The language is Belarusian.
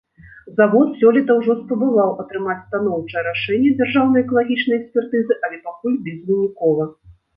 Завод сёлета ўжо спрабаваў атрымаць станоўчае рашэнне дзяржаўнай экалагічнай экспертызы, але пакуль безвынікова.